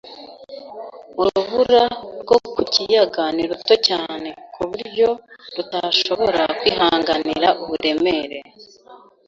Urubura rwo ku kiyaga ni ruto cyane ku buryo rutashobora kwihanganira uburemere